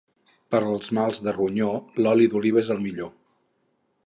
Pels mals de ronyó, l'oli d'oliva és el millor.